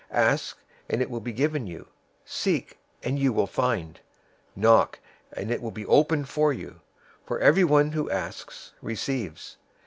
007:007 "Ask, and it will be given you. Seek, and you will find. Knock, and it will be opened for you. 007:008 For everyone who asks receives.